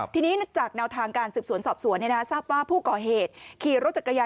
ทีนี้จากแนวทางการสืบสวนสอบสวนที่ที่ที่ที่ที่ที่